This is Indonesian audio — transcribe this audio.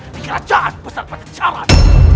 di kerajaan besar pada jalan